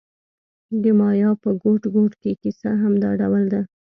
د مایا په ګوټ ګوټ کې کیسه همدا ډول ده.